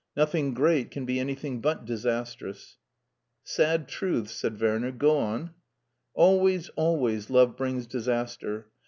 Nothing great can be anything but disastrous.'^ Sad truths/' said Werner. " Go on.'' Always, always, love brings disaster.